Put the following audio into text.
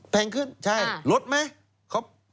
แพงขึ้นใช่ลดไหม